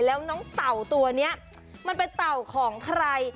แล้วน้องเต่าตัวนี้มันเป็นเต่าของใคร